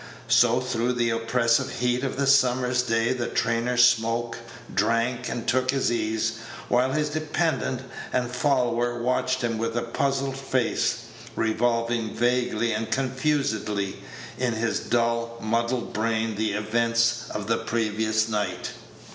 So through the oppressive heat of the summer's day the trainer smoked, drank, and took his ease, while his dependent and follower watched him with a puzzled face, revolving vaguely and confusedly in his dull, muddled brain the events of the previous night.